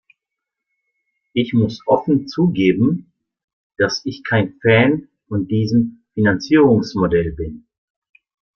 Ich muss offen zugeben, dass ich kein Fan von diesem Finanzierungsmodell bin.